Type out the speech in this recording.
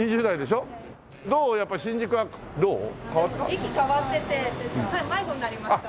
駅変わってて迷子になりました。